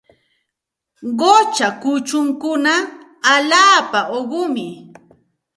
Qucha kuchunkuna allaapa uqumi.